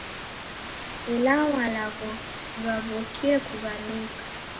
Ela malagho ghaw'okie kughaluka.